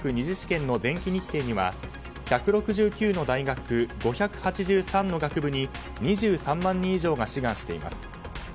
２次試験の前期日程には１６９の大学、５８３の学部に２３万人以上が志願しています。